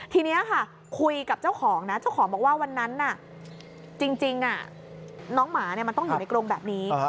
ทีนี้ค่ะคุยกับเจ้าของนะเจ้าของบอกว่าวันนั้นจริงน้องหมามันต้องอยู่ในกรงแบบนี้